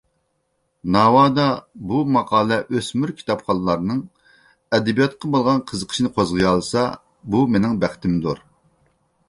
ناۋادا بۇ ماقالە ئۆسمۈر كىتابخانلارنىڭ ئەدەبىياتقا بولغان قىزىقىشىنى قوزغىيالىسا، بۇ مېنىڭ بەختىمدۇر.